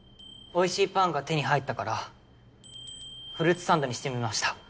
おいしいパンが手に入ったからフルーツサンドにしてみました。